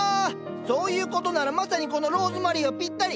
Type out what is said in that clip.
そういうことならまさにこのローズマリーはぴったり。